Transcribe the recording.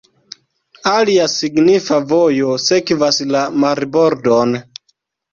Alia signifa vojo sekvas la marbordon.